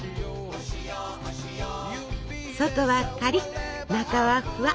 外はカリッ中はフワ。